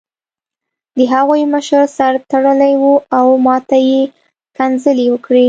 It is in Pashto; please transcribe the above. د هغوی مشر سر تړلی و او ماته یې کنځلې وکړې